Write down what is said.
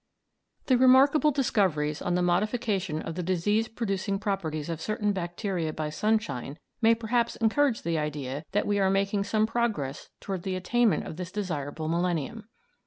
The remarkable discoveries on the modification of the disease producing properties of certain bacteria by sunshine may perhaps encourage the idea that we are making some progress towards the attainment of this desirable millennium.